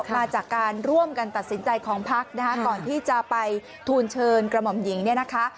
มาจากการร่วมกันตัดสินใจของพักนะคะก่อนที่จะไปทูลเชิญกระหม่อมหญิงเนี่ยนะคะ